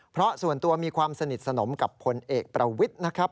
เพราะส่วนตัวมีความสนิทสนมกับพลเอกประวิทย์นะครับ